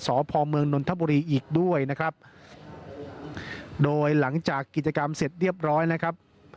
สพเมืองนนทบุรีอีกด้วยนะครับโดยหลังจากกิจกรรมเสร็จเรียบร้อยนะครับ